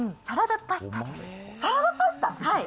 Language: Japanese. サラダパスタ？